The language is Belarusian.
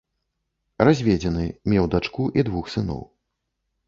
Разведзены, меў дачку і двух сыноў.